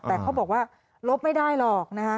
แต่เขาบอกว่าลบไม่ได้หรอกนะคะ